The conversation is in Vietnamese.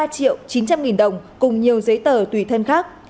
ba triệu chín trăm linh nghìn đồng cùng nhiều giấy tờ tùy thân khác